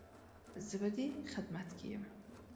زه به دې خدمت کې يم